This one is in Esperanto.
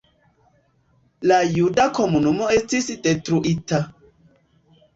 La juda komunumo estis detruita.